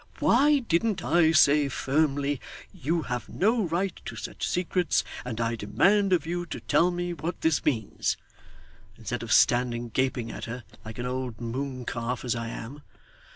Why didn't I say firmly, "You have no right to such secrets, and I demand of you to tell me what this means," instead of standing gaping at her, like an old moon calf as I am!